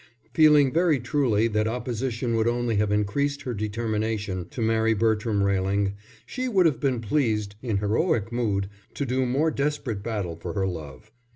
Feeling very truly that opposition would only have increased her determination to marry Bertram Railing, she would have been pleased, in heroic mood, to do more desperate battle for her love.